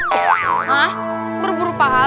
hah berburu pahala